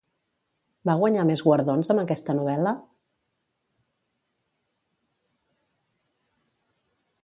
Va guanyar més guardons amb aquesta novel·la?